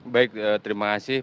baik terima kasih